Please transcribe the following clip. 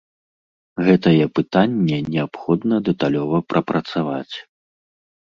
Гэтае пытанне неабходна дэталёва прапрацаваць.